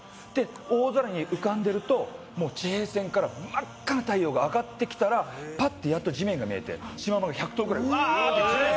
大空に浮かんでいると地平線から真っ赤な太陽が上がってきたらパッと、やっと地面が見えてシマウマが１００頭ぐらいうわーって。